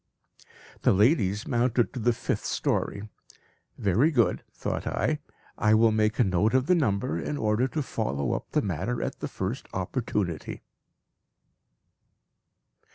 The ladies mounted to the fifth story. "Very good," thought I; "I will make a note of the number, in order to follow up the matter at the first opportunity."